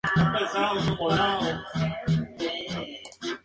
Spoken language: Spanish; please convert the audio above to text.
La canción fue escrita por Eddie Vedder.